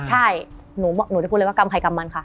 ใช่หนูจะพูดเลยว่ากรรมใครกรรมมันค่ะ